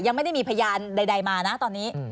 ยังไม่ได้มีพยานใดมานะตอนนี้